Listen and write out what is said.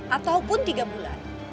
ataupun tiga bulan